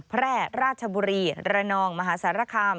แพร่ราชบุรีระนองมหาสารคาม